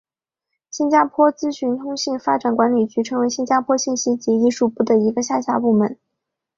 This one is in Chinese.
新加坡资讯通信发展管理局成为新加坡信息及艺术部的一个下辖部门。